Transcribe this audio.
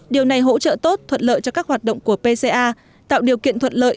điều này hỗ trợ tốt thuận lợi cho các hoạt động của pca tạo điều kiện thuận lợi